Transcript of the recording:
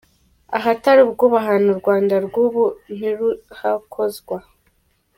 Ahatari ubwubahane, u Rwanda rw’ubu ntiruhakozwa.